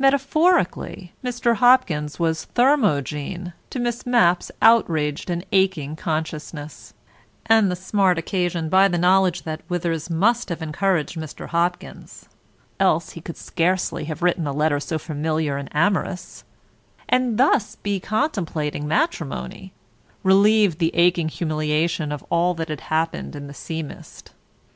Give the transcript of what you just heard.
Metaphorically, Mr. Hopkins was thermogene to Miss Mapp's outraged and aching consciousness, and the smart occasioned by the knowledge that Withers must have encouraged Mr. Hopkins (else he could scarcely have written a letter so familiar and amorous), and thus be contemplating matrimony, relieved the aching humiliation of all that had happened in the sea mist.